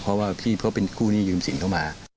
เพราะว่าพี่เขาเป็นกู้หนี้ยืมสินเข้ามา